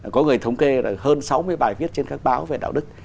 có người thống kê là hơn sáu mươi bài viết trên các báo về đạo đức